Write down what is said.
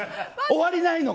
終わりないの？